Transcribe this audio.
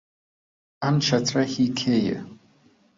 ئەم چەترە هی کێیە؟